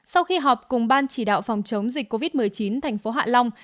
sau khi họp cùng ban chỉ đạo phòng chống dịch covid một mươi chín tp hạ long